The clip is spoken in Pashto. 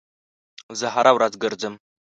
زه هر ورځ ګرځم